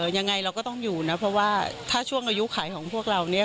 ยังไงเราก็ต้องอยู่นะเพราะว่าถ้าช่วงอายุขายของพวกเราเนี่ย